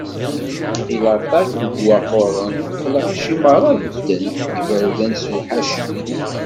I laṭak deg waqquren, lɣaci merra bedden, iberdan sewḥacen.